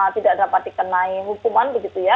tidak dapat dikenai hukuman begitu ya